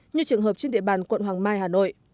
như trường hợp trên địa bàn quận hoàng mai hà nội